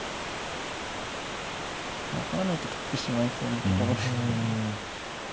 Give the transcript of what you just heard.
分からないと取ってしまいそうなところですけど。